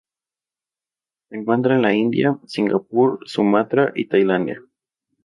Se encuentra en la India, Singapur, Sumatra y Tailandia.